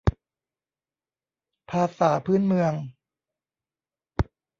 ภาษาพื้นเมือง